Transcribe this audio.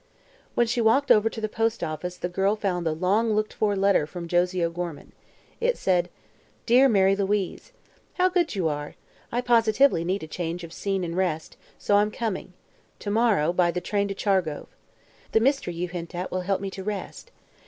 When she walked over to the postoffice the girl found the long looked for letter from Josie O'Gorman. It said: Dear Mary Louise: How good you are! I positively need a change of scene and a rest, so I'm coming. To morrow by the train to Chargrove. The mystery you hint at will help me to rest.